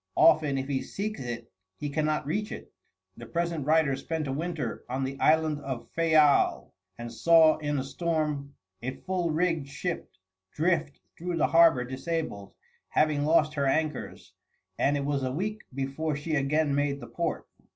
Often if he seeks it he cannot reach it. The present writer spent a winter on the island of Fayal, and saw in a storm a full rigged ship drift through the harbor disabled, having lost her anchors; and it was a week before she again made the port.